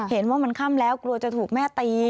เห็นว่ามันค่ำแล้วกลัวจะถูกแม่ตี